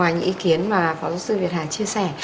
những ý kiến mà phó giáo sư việt hà chia sẻ